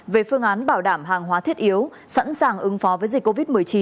về phương án bảo đảm hàng hóa thiết yếu sẵn sàng ứng phó với dịch covid một mươi chín